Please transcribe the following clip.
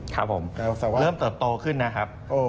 ครับผมเริ่มเติบโตขึ้นนะครับ